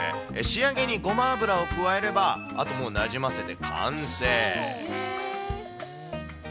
仕上げにごま油を加えれば、あともう、なじませて完成。